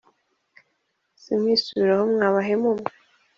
nimwisubireho, mwa bahemu mwe;